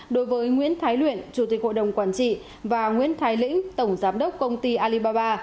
đối với nguyễn thái luyện chủ tịch hội đồng quản trị và nguyễn thái lĩnh tổng giám đốc công ty alibaba